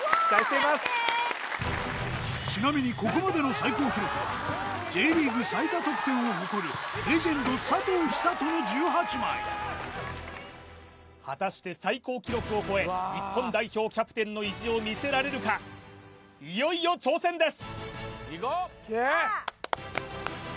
うわっちなみにここまでの最高記録はＪリーグ最多得点を誇るレジェンド佐藤寿人の１８枚果たして最高記録を超え日本代表キャプテンの意地を見せられるかいよいよ挑戦です！